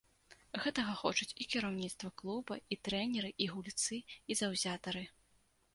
Гэтага хочуць і кіраўніцтва клуба, і трэнеры, і гульцы, і заўзятары.